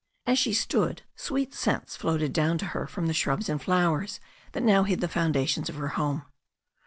As she stood, sweet scents floated down to her from the shrubs and flowers that now hid the foundations of her home.